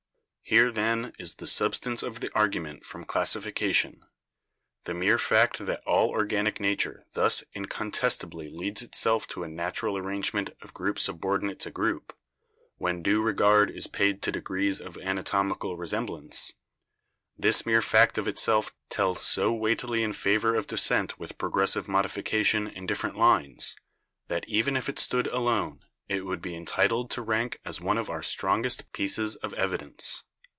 "Here, then, is the substance of the argument from EVIDENCES OF ORGANIC EVOLUTION 171 classification. The mere fact that all organic nature thus incontestably lends itself to a natural arrangement of group subordinate to group, when due regard is paid to degrees of anatomical resemblance — this mere fact of itself tells so weightily in favor of descent with progressive modification in different lines, that even if it stood alone it would be entitled to rank as one of our strongest pieces of evidence.